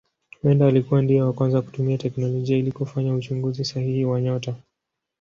Huenda alikuwa ndiye wa kwanza kutumia teknolojia ili kufanya uchunguzi sahihi wa nyota.